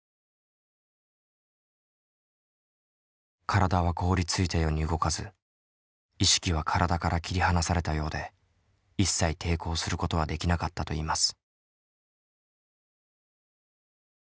体は凍りついたように動かず意識は体から切り離されたようで一切抵抗することはできなかったといいます。